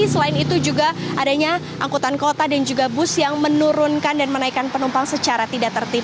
selain itu juga adanya angkutan kota dan juga bus yang menurunkan dan menaikkan penumpang secara tidak tertib